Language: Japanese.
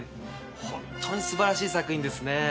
本当に素晴らしい作品ですね。